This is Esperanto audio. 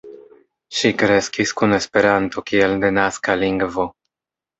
Ŝi kreskis kun Esperanto kiel denaska lingvo.